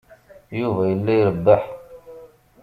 Yuba yella irebbeḥ.